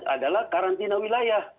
adalah karantina wilayah